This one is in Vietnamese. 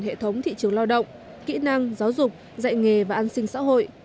hệ thống thị trường lao động kỹ năng giáo dục dạy nghề và an sinh xã hội